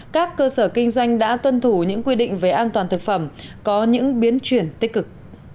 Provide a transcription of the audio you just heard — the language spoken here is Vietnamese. các cơ sở kinh doanh đã tuân thủ những quy định về an toàn thực phẩm có những biến chuyển tích cực